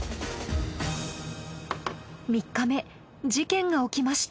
３日目事件が起きました。